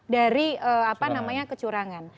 dari apa namanya kecurangan